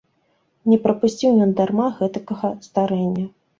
Не прапусціў ён дарма гэтакага здарэння.